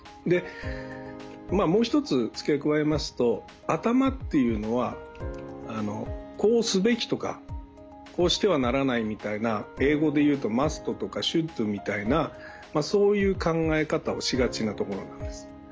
でもう一つ付け加えますと頭というのはこうすべきとかこうしてはならないみたいな英語で言うとｍｕｓｔとかｓｈｏｕｌｄみたいなそういう考え方をしがちなところなんです。